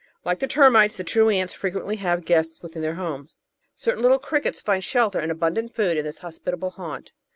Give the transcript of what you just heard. Like the Termites, the true Ants frequently have guests within their homes. Certain little crickets find shelter and abun dant food in this hospitable haunt.